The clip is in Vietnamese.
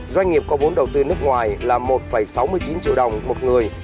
doanh nghiệp có vốn đầu tư nước ngoài là một sáu mươi chín triệu đồng một người